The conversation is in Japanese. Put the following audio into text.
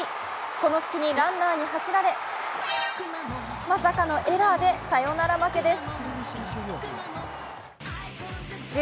この隙にランナーに走られ、まさかのエラーでサヨナラ負けです。